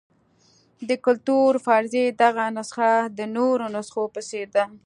د کلتوري فرضیې دغه نسخه د نورو نسخو په څېر ده.